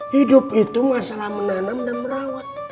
hidup itu masalah menanam dan merawat